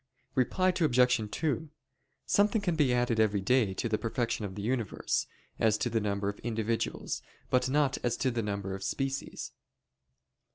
Reply Obj. 2: Something can be added every day to the perfection of the universe, as to the number of individuals, but not as to the number of species.